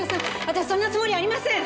私そんなつもりありません！